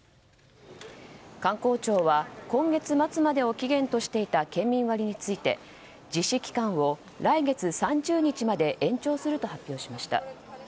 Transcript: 観光庁は今月末までを期限としていた県民割について実施期間を来月３０日まで延長すると発表しました。